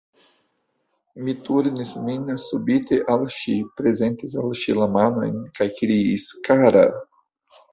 Mi turnis min subite al ŝi, prezentis al ŝi la manojn, kaj kriis: "Kara!"